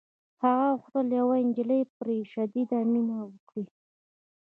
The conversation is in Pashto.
هغه غوښتل یوه نجلۍ پرې شدیده مینه وکړي